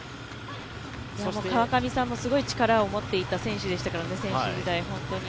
川上さんも選手時代、すごい力を持っていた選手でしたからね。